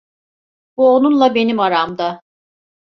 Bu onunla benim aramda.